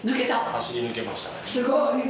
走り抜けましたねすごい！